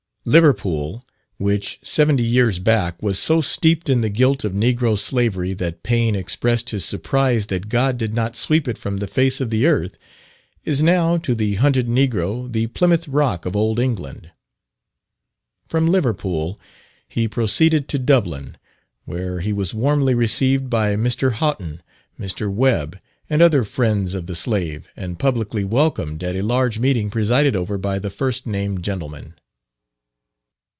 Liverpool, which seventy years back was so steeped in the guilt of negro slavery that Paine expressed his surprise that God did not sweep it from the face of the earth, is now to the hunted negro the Plymouth Rock of Old England. From Liverpool he proceeded to Dublin where he was warmly received by Mr. Haughton, Mr. Webb, and other friends of the slave, and publicly welcomed at a large meeting presided over by the first named gentleman.